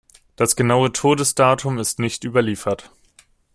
Das genaue Todesdatum ist nicht überliefert.